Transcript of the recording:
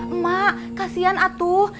emak kasian atuh